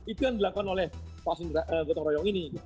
itu yang dilakukan oleh vaksin gotong royong ini